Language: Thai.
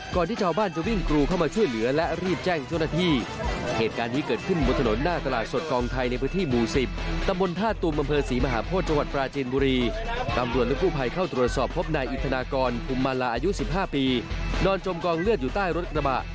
การภูมิมาลาอายุ๑๕ปีนอนจมกองเลือดอยู่ใต้รถกระบะ